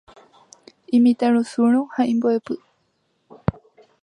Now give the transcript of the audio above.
Imitãrusúrõ ha imbo'epy.